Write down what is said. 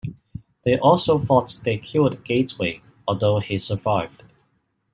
They also thought they killed Gateway, although he survived.